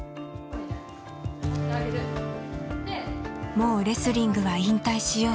もうレスリングは引退しよう。